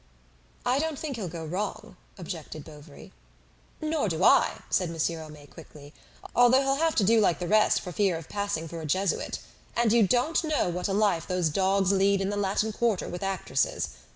"I don't think he'll go wrong," objected Bovary. "Nor do I," said Monsieur Homais quickly; "although he'll have to do like the rest for fear of passing for a Jesuit. And you don't know what a life those dogs lead in the Latin quarter with actresses.